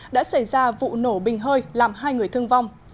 đã xảy ra vụ nổ bình hơi làm hai người thương vong